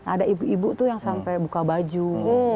ada ibu ibu tuh yang sampai buka baju